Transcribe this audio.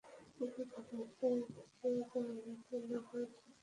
Police ঘটনাস্থল থেকে জামায়াতের নগর সেক্রেটারি জেনারেল সোহেল আহমদকে আটক করেছে।